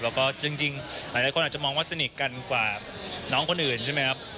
แล้วก็จริงหลายคนอาจจะมองว่าสนิทกันกว่าน้องคนอื่นใช่ไหมครับ